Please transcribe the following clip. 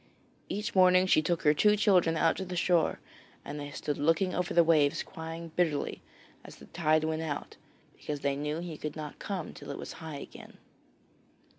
Each morning she took her two children down to the shore and they stood looking over the waves crying bitterly as the tide went out, because they knew he could not come till it was high again.